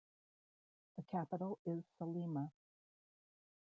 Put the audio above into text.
The capital is Salima.